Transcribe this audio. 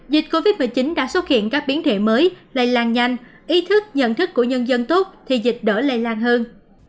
dịch covid một mươi chín đã xuất hiện các biến thể mới lây lan nhanh ý thức nhận thức của nhân dân tốt thì dịch đỡ lây lan hơn